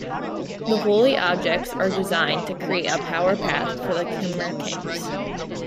The holy objects are designed to create a "power path for the Khmer Kings".